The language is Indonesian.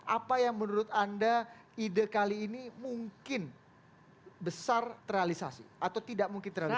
apa yang menurut anda ide kali ini mungkin besar terrealisasi atau tidak mungkin terrealisasi